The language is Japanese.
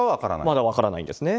まだ分からないんですね。